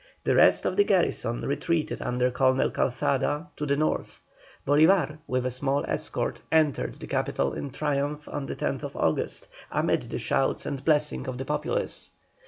The rest of the garrison retreated under Colonel Calzada to the North. Bolívar, with a small escort, entered the capital in triumph on the 10th August, amid the shouts and blessings of the populace.